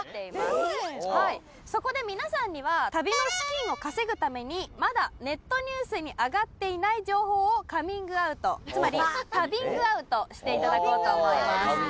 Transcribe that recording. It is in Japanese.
はいそこで皆さんには旅の資金を稼ぐためにまだネットニュースにあがっていない情報をカミングアウトつまり旅ングアウトしていただこうと思います